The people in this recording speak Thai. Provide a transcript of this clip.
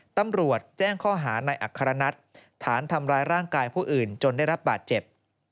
ตำรวจแจ้งข้อหาในอัครนัทฐานทำร้ายร่างกายผู้อื่นจนได้รับบาดเจ็บ